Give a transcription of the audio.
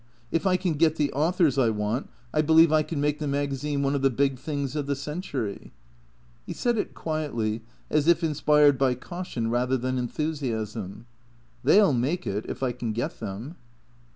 If I can get the authors I want I believe I can make the magazine one of the big things of the century." He said it quietly, as if in spired by caution rather than enthusiasm. " They '11 make it — if I can get them."